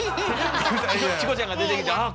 チコちゃんが出てきてああ